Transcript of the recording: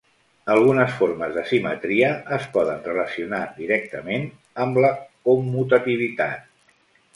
Algunes formes de simetria es poden relacionar directament amb la commutativitat.